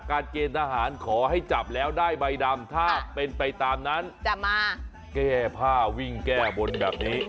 แบบนี้แหละครับน้องใบตอง